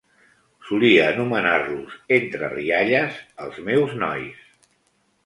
Solia anomenar-los, entre rialles, "Els meus nois".